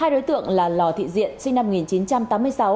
hai đối tượng là lò thị diện sinh năm một nghìn chín trăm tám mươi sáu